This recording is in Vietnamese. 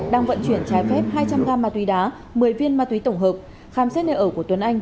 đang vận chuyển trái phép hai trăm linh gam ma túy đá một mươi viên ma túy tổng hợp khám xét nơi ở của tuấn anh